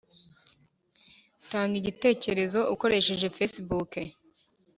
tanga igitekerezo ukoresheje facebook